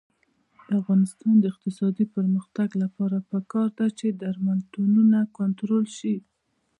د افغانستان د اقتصادي پرمختګ لپاره پکار ده چې درملتونونه کنټرول شي.